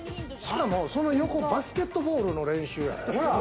その横、バスケットボールの練習。